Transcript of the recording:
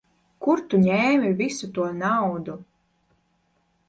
Kur tu ņēmi visu to naudu?